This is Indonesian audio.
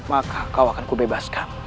maka kau akan ku bebaskan